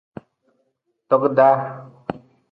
Togdaa.